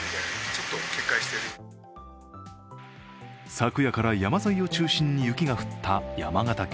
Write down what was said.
昨夜から山沿いを中心に雪が降った山形県。